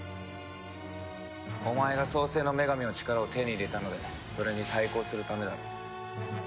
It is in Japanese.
お前が創世の女神の力を手に入れたのでそれに対抗するためだろう。